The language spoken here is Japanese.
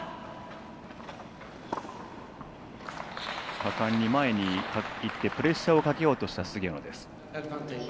果敢に前にいってプレッシャーをかけようとした菅野。